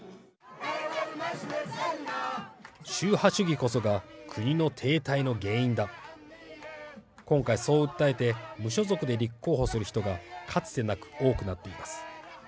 宗派主義こそが国の停滞の原因だ今回そう訴えて無所属で立候補する人がかつてなく多くなっています。